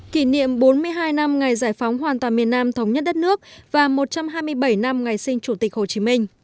kỷ niệm bốn mươi hai năm ngày giải phóng hoàn toàn miền nam thống nhất đất nước và một trăm hai mươi bảy năm ngày sinh chủ tịch hồ chí minh